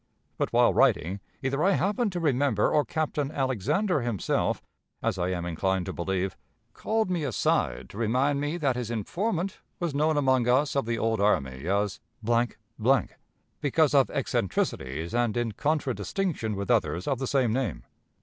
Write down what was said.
But, while writing, either I happened to remember, or Captain Alexander himself as I am inclined to believe called me aside to remind me that his informant was known among us of the old army as , because of eccentricities, and in contradistinction with others of the same name.